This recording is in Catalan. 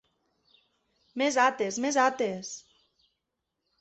Més Ates, més Ates!